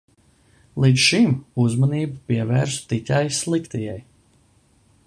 Līdz šim uzmanību pievērsu tikai sliktajai.